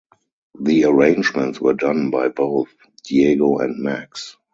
The arrangements were done by both Diego and Max.